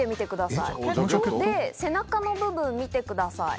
背中の部分見てください。